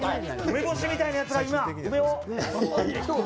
梅干しみたいなやつが、梅を。